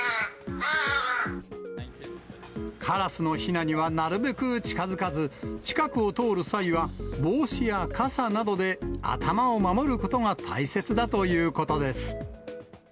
カラスのひなにはなるべく近づかず、近くを通る際は、帽子や傘などで頭を守ることが大切だということです。